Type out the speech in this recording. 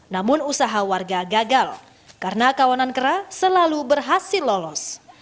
namun usaha warga gagal karena kawanan kera selalu berhasil lolos